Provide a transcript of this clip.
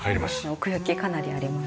奥行きかなりあります。